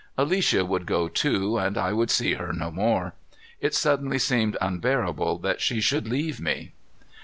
Alicia would go too, and I would see her no more. It suddenly seemed unbearable that she should leave me.